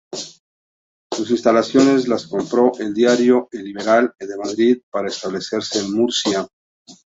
Sus instalaciones las compró el diario "El Liberal" de Madrid, para establecerse en Murcia.